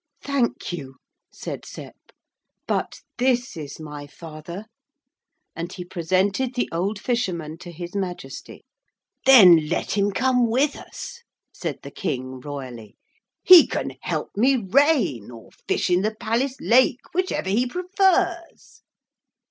'Thank you,' said Sep, 'but this is my father,' and he presented the old fisherman to His Majesty. 'Then let him come with us,' said the King royally, 'he can help me reign, or fish in the palace lake, whichever he prefers.'